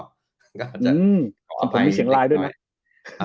ส่วนเป็นมีเสียงไลน์ด้วยนะ